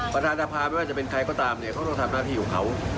ประธานสภาไม่ว่าจะเป็นใครก็ตามเนี่ยเขาต้องทำหน้าที่ของเขา